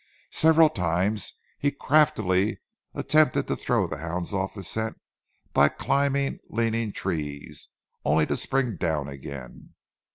Several times he craftily attempted to throw the hounds off the scent by climbing leaning trees, only to spring down again.